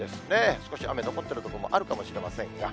少し雨残っている所もあるかもしれませんが。